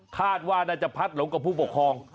คาดว่าน่าจะพัดหลงกับผู้ปกครอง